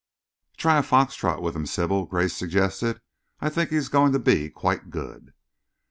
"Try a fox trot with him, Sybil," Grace suggested. "I think he is going to be quite good."